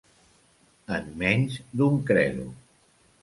En menys d'un credo.